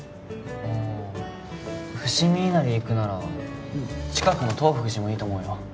あ伏見稲荷行くなら近くの東福寺もいいと思うよ